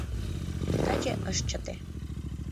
Таче ыш чыте.